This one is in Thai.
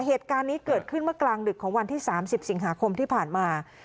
เหตุการณ์นี้เกิดขึ้นเมื่อกลางดึกของวันที่๓๐สิงหาคมที่ผ่านมา